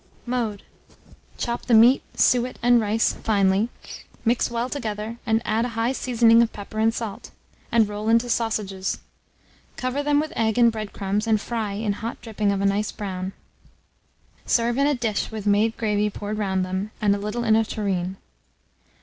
Mode. Chop the meat, suet, and rice finely; mix well together, and add a high seasoning of pepper and salt, and roll into sausages; cover them with egg and bread crumbs, and fry in hot dripping of a nice brown. Serve in a dish with made gravy poured round them, and a little in a tureen.